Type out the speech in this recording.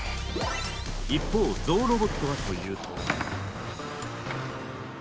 一方ゾウロボットはというと。